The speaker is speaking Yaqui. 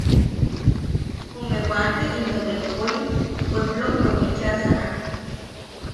Jume wate into bempoʼim puepplommeu bicha sajak.